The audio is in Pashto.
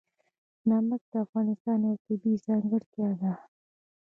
نمک د افغانستان یوه طبیعي ځانګړتیا ده.